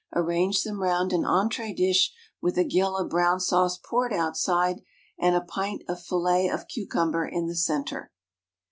Arrange them round an entrée dish, with a gill of brown sauce poured outside, and a pint of fillets of cucumber in the centre.